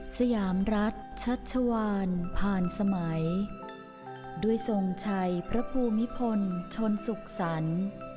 สยามรัฐชัชวานผ่านสมัยด้วยทรงชัยพระภูมิพลชนสุขสรรค์